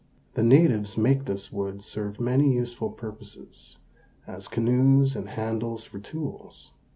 The natives make this wood serve many useful purposes, as canoes and handles for tools.